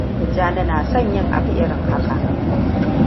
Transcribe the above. Tijjani na son yin abu irin haka.